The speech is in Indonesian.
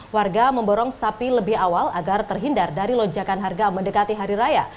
warga memborong sapi lebih awal agar terhindar dari lonjakan harga mendekati hari raya